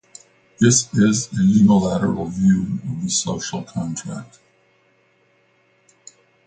This is a unilateral view of the social contract.